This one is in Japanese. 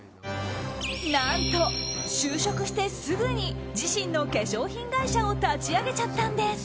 何と就職してすぐに自身の化粧品会社を立ち上げちゃったんです。